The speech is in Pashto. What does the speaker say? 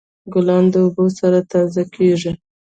ګلان د اوبو سره تازه کیږي.